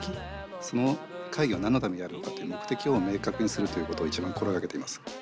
その会議はなんのためにあるのかっていう目的を明確にするということをいちばん心がけています。